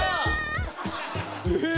え⁉